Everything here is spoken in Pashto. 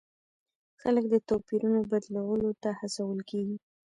خلک د توپیرونو بدلولو ته هڅول کیږي.